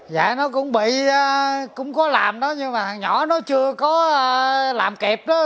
dạ nó cũng bị cũng có làm đó nhưng mà hằng nhỏ nó chưa có làm kịp đó